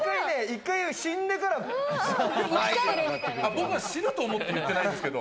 僕は死ぬと思って言ってないんですけど。